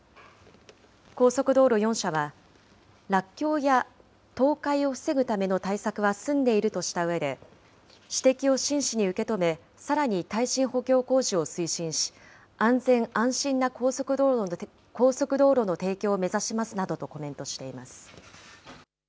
高速道路４社は、落橋や倒壊を防ぐための対策は済んでいるとしたうえで、指摘を真摯に受け止め、さらに耐震補強工事を推進し、安全安心な高速道路の提供を目指しますなどとコメントしています。